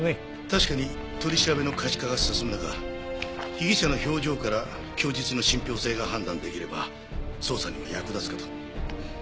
確かに取り調べの可視化が進む中被疑者の表情から供述の信憑性が判断出来れば捜査にも役立つかと。